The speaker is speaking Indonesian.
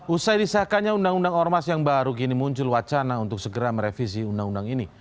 usai disahkannya undang undang ormas yang baru kini muncul wacana untuk segera merevisi undang undang ini